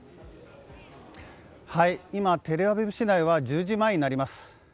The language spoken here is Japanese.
今、テルアビブ市内は１０時前になります。